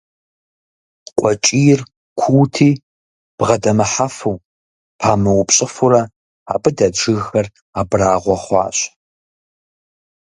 КъуэкӀийр куути, бгъэдэмыхьэфу, памыупщӀыфурэ, абы дэт жыгхэр абрагъуэ хъуащ.